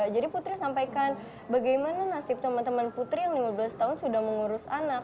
jadi putri sampaikan bagaimana nasib teman teman putri yang lima belas tahun sudah mengurus anak